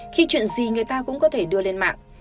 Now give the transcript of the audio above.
khi chuyện gì người ta cũng có thể đưa lên mạng